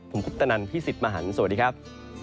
ผมคุปตนันพี่สิทธิ์มหันฯสวัสดีครับ